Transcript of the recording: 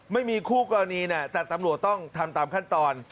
ไม่มีคู่กรณีนะแต่ตำรวจต้องทำตามขั้นตอน